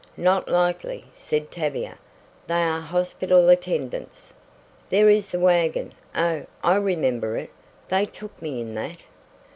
"Not likely," said Tavia. "They are hospital attendants." "There is the wagon! Oh, I remember it! They took me in that!"